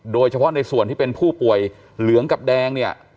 โดยเฉพาะในส่วนที่เป็นผู้ป่วยเหลืองกับแดงเนี่ย